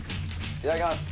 いただきます